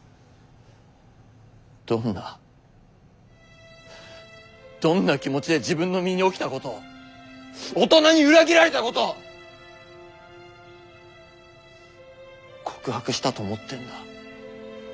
どんなどんな気持ちで自分の身に起きたこと大人に裏切られたこと告白したと思ってんだ。